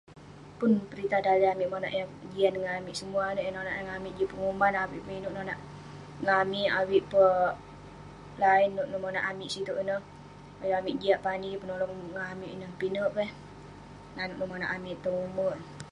pun peritah daleh amik monak yah kejian ngan amik ,semua inouk yah nonak ngan amik, jin penguman, avik peh inouk nonak ngan amik..avik peh line nouk neh monak amik sitouk ineh, ayuk amik jiak pani, penolong ngan amik ineh, pinek peh eh nanouk neh monak amik tong umerk